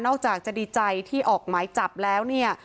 จากจะดีใจที่ออกหมายจับแล้วเนี่ย